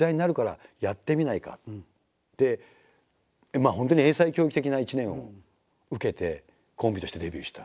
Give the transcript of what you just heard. まあ本当に英才教育的な１年を受けてコンビとしてデビューした。